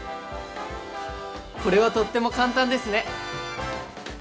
これはとっても簡単ですね！